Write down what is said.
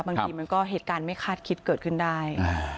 บางทีมันก็เหตุการณ์ไม่คาดคิดเกิดขึ้นได้